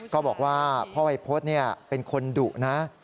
ก็บอกว่าพ่อวัยพฤษเป็นคนดุนะ